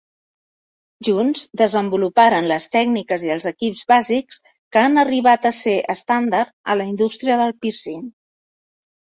Junts desenvoluparen les tècniques i els equips bàsics que han arribat a ser estàndard a la indústria del pírcing.